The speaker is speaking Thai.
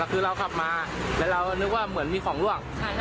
แล้วเราก็นึกว่าเหมือนมีของล่วง